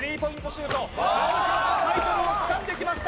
シュート数々のタイトルをつかんできました